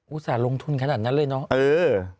ส่าห์ลงทุนขนาดนั้นเลยเนาะ